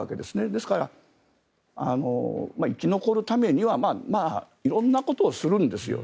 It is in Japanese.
ですから、生き残るためには色んなことをするんですよ。